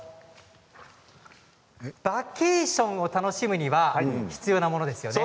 バケーションを楽しむには必要なものですよね。